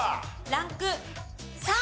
ランク３。